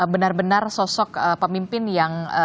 benar benar sosok pemimpin yang